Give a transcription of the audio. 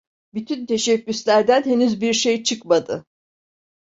Bütün teşebbüslerden henüz bir şey çıkmadı.